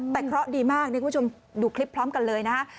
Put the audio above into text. แต่เคราะห์ดีมากนี่คุณผู้ชมดูคลิปพร้อมกันเลยนะฮะ